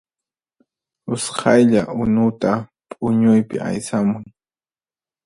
Usqhaylla unuta p'uñuypi aysamuy